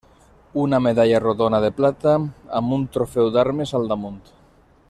Una medalla rodona de plata, amb un trofeu d'armes al damunt.